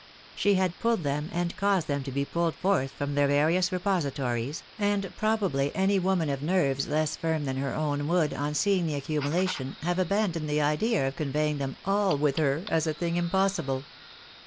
She had pulled them, and caused them to be pulled forth from their various repositories, and probably any woman of nerves less firm than her own would, on seeing the accumulation, have abandoned the idea of conveying them ALL with her as a thing impossible.